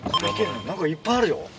何かいっぱいあるよ。